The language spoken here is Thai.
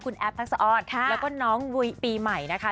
คุณแอฟทักษะออนแล้วก็น้องปีใหม่นะคะ